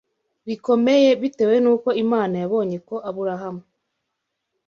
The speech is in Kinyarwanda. rikomeye bitewe n’uko Imana yabonye ko Aburahamu